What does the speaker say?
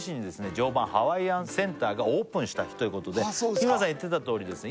常磐ハワイアンセンターがオープンした日ということで日村さん言ってたとおりですね